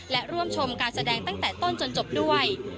และร่วมชมการแสดงตั้งแต่ต้นจนจบด้วย